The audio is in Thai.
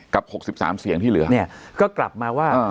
กับหกสิบสามเสียงที่เหลือเนี่ยก็กลับมาว่าเออ